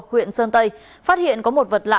huyện sơn tây phát hiện có một vật lạ